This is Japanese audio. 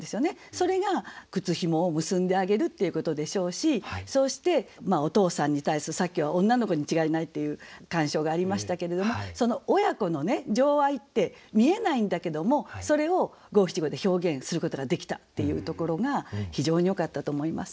それが靴紐を結んであげるっていうことでしょうしそうしてお父さんに対するさっきは女の子に違いないっていう鑑賞がありましたけれどもその親子のね情愛って見えないんだけどもそれを五七五で表現することができたっていうところが非常によかったと思います。